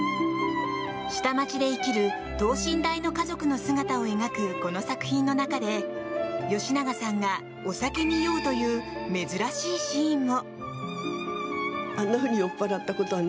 下町で生きる等身大の家族の姿を描くこの作品の中で、吉永さんがお酒に酔うという珍しいシーンも。